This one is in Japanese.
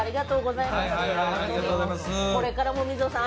これからも水野さん